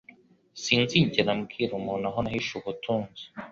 Sinzigera mbwira umuntu aho nahishe ubutunzi.